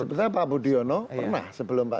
sebenarnya pak budiono pernah sebelum pak jk